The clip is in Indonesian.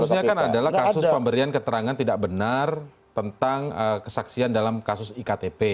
kasusnya kan adalah kasus pemberian keterangan tidak benar tentang kesaksian dalam kasus iktp